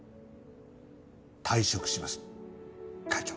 退職します会長。